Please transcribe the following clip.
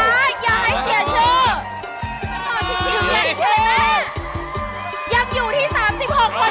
โอ้ชิคกี้พายแม่อยากอยู่ที่๓๖คนอยู่เลย